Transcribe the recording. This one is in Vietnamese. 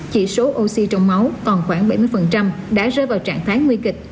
chỉ số oxy trong máu còn khoảng bảy mươi đã rơi vào trạng thái nguy kịch